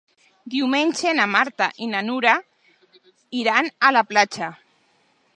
Diumenge na Marta i na Nura iran a la platja.